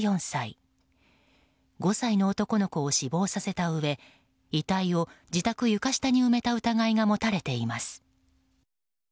５歳の男の子を死亡させたうえ遺体を自宅床下に埋めた疑いが持たれています。